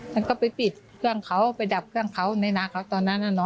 แล้วก็ไปปิดเครื่องเค้าไปดับเครื่องเค้าในนาเค้าตอนนั้นน่ะเนาะ